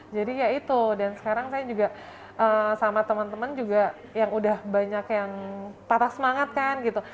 jadi yaitu dan sekarang saya juga sama teman teman juga yang udah banyak yang patah semangat kan gitu